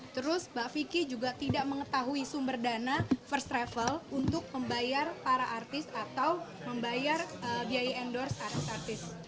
terus mbak vicky juga tidak mengetahui sumber dana first travel untuk membayar para artis atau membayar biaya endorse secara artis